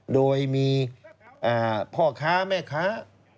โดยมีพ่อค้าแม่ค้า